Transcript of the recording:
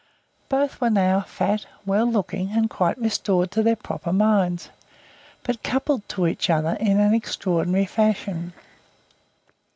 Both were now fat, well looking, and quite restored to their proper minds, but coupled to each other in an extraordinary fashion.